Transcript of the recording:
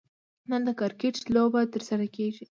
نن د کرکټ لوبه ترسره کیږي